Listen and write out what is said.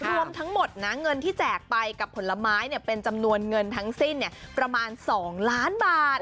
รวมทั้งหมดนะเงินที่แจกไปกับผลไม้เป็นจำนวนเงินทั้งสิ้นประมาณ๒ล้านบาท